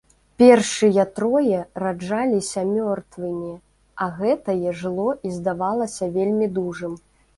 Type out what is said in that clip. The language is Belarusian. Першыя трое раджаліся мёртвымі, а гэтае жыло і здавалася вельмі дужым.